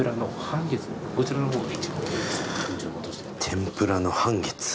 天ぷらの半月。